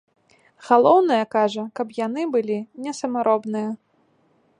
Галоўнае, кажа, каб яны былі не самаробныя.